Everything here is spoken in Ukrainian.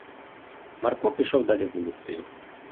Марко пішов далі вулицею.